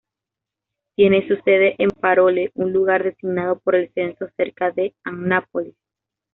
Tiene su sede en Parole, un lugar designado por el censo cerca de Annapolis.